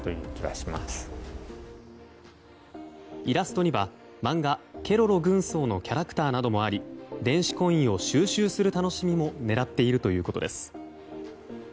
イラストには漫画「ケロロ軍曹」のキャラクターなどもあり電子コインを収集する楽しみも狙っているということです。